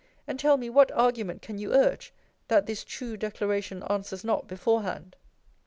And tell me, what argument can you urge, that this true declaration answers not before hand?